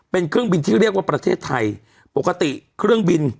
เป็นเครื่องบินที่เรียกว่าประเทศไทยปกติเครื่องบิน